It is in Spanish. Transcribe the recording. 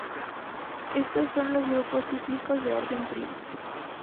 Estos son los grupos cíclicos de orden primo.